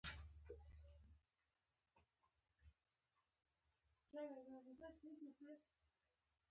افغانستان د باران په اړه علمي څېړنې لري.